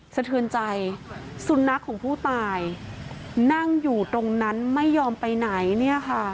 สะเทือนใจสุนัขของผู้ตายนั่งอยู่ตรงนั้นไม่ยอมไปไหนเนี่ยค่ะ